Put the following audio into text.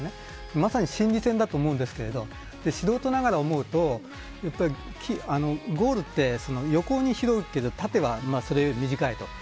まさに心理戦だと思いますが素人ながら思うとゴールは横に広いけど、縦はそれより短いと。